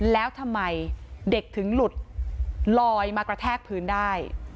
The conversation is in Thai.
แล้วทำไมเด็กถึงหลุดลอยมากระแทกพื้นได้